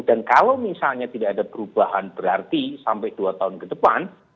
dan kalau misalnya tidak ada perubahan berarti sampai dua tahun ke depan